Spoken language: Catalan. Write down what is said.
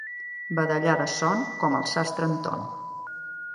Badallar de son, com el sastre Anton.